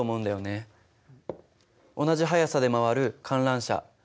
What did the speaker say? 同じ速さで回る観覧車。